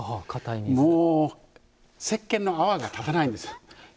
もう、せっけんの泡が立たないんです。